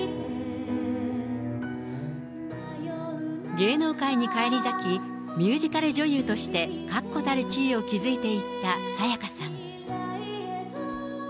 芸能界に返り咲き、ミュージカル女優として確固たる地位を築いていった沙也加さん。